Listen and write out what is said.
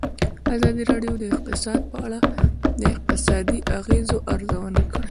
ازادي راډیو د اقتصاد په اړه د اقتصادي اغېزو ارزونه کړې.